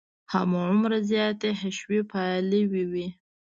هماغومره زیاتې حشوي پالې وې.